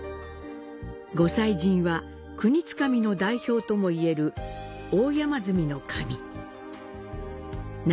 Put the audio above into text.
御祭神は、国津神の代表ともいえる大山積神。